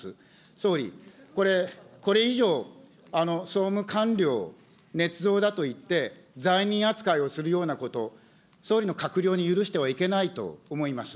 総理、これ、これ以上、総務官僚、ねつ造だと言って、罪人扱いをするようなこと、総理の閣僚に許してはいけないと思います。